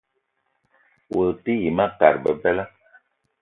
O te yi ma kat bebela.